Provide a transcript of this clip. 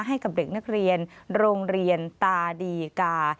ให้กับเด็กนักเรียนโรงเรียนตาดีกา